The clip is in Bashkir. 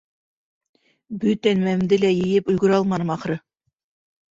Бөтә нәмәмде лә йыйып өлгөрә алманым, ахыры!